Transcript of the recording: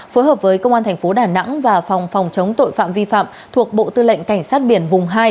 phối hợp với công an thành phố đà nẵng và phòng phòng chống tội phạm vi phạm thuộc bộ tư lệnh cảnh sát biển vùng hai